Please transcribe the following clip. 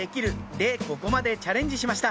でここまでチャレンジしました